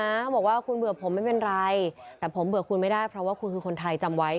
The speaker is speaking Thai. เขาบอกว่าคุณเบื่อผมไม่เป็นไรแต่ผมเบื่อคุณไม่ได้เพราะว่าคุณคือคนไทยจำไว้